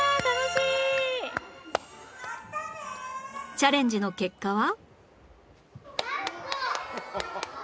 チャレンジの結果は？